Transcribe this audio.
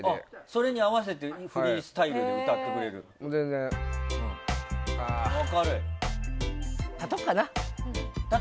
それに合わせてフリースタイルで歌ってくれるんだ。